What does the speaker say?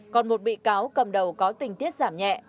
còn một bị cáo cầm đầu có tình tiết giảm nhẹ